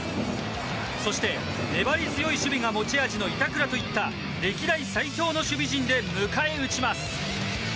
そして、粘り強い守備が持ち味の板倉といった歴代最強の守備陣で迎え撃ちます。